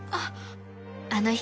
あっ。